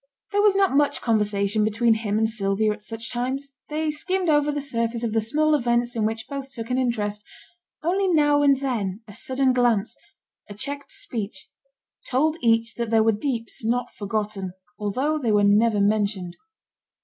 There was not much conversation between him and Sylvia at such times. They skimmed over the surface of the small events in which both took an interest; only now and then a sudden glance, a checked speech, told each that there were deeps not forgotten, although they were never mentioned.